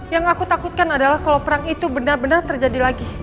yang aku takutkan adalah kalau perang itu benar benar terjadi lagi